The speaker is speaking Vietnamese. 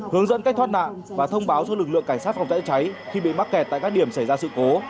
hướng dẫn cách thoát nạn và thông báo cho lực lượng cảnh sát phòng cháy cháy khi bị mắc kẹt tại các điểm xảy ra sự cố